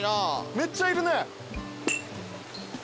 めっちゃいるね。